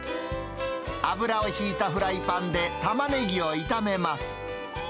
油を引いたフライパンでタマネギを炒めます。